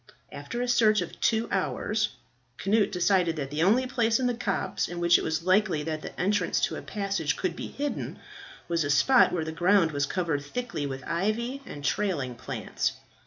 After a search of two hours, Cnut decided that the only place in the copse in which it was likely that the entrance to a passage could be hidden, was a spot where the ground was covered thickly with ivy and trailing plants.